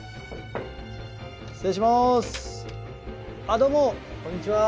あっどうもこんにちは。